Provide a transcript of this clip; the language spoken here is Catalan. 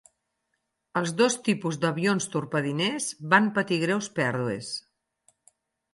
Els dos tipus d'avions torpediners van patir greus pèrdues.